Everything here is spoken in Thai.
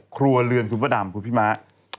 ครัวเรือนคุณพระดำคุณพี่ม้า